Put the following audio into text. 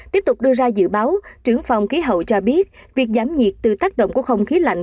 tiếp tục đưa ra dự báo trưởng phòng khí hậu cho biết việc giảm nhiệt từ tác động của không khí lạnh